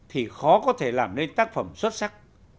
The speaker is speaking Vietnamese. thì khó có thể làm nên tác phẩm xuất sắc